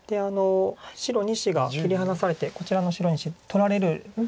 白２子が切り離されてこちらの白２子取られる。